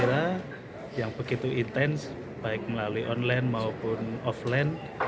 saya kira yang begitu intens baik melalui online maupun offline